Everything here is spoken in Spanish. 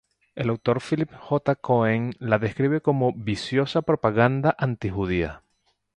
El autor Philip J. Cohen la describe como "viciosa propaganda antijudía".